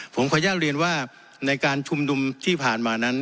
ผมขออนุญาตเรียนว่าในการชุมนุมที่ผ่านมานั้น